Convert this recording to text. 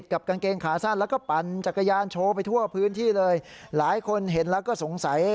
สองเกิปปะดีแล้วนะ